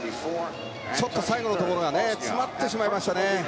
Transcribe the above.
最後のところが詰まってしまいましたね。